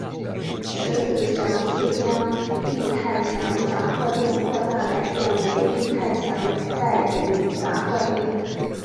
迟子祥遂将益泰祥杂货店扩大改建为益泰祥代理杂货店。